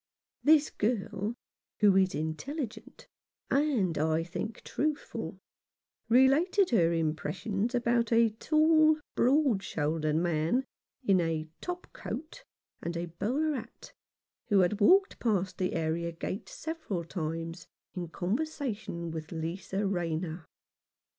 This girl, who is intelligent, and, I think, truthful, related her impressions about a tall, broad shouldered man, in a "top coat" and a bowler hat, who walked past the area gate several times in conversation with Lisa Rayner.